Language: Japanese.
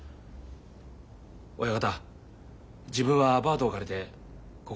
親方自分はアパートを借りてここ出ます。